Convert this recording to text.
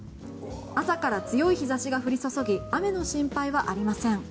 朝から強い日差しが降り注ぎ雨の心配はありません。